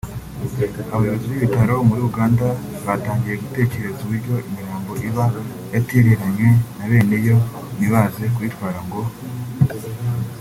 Abayobozi b’ibitaro muri Uganda batangiye gutekereza uburyo imirambo iba yatereranywe na beneyo ntibaze kuyitwara ngo